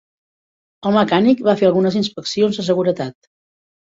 El mecànic va fer algunes inspeccions de seguretat.